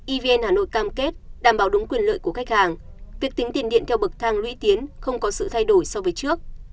evn hà nội cam kết đảm bảo đúng quyền lợi của khách hàng việc tính tiền điện theo bậc thang lũy tiến không có sự thay đổi so với trước